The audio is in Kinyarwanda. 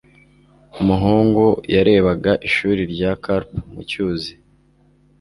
umuhungu yarebaga ishuri rya karp mu cyuzi